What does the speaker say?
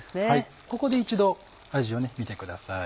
ここで一度味を見てください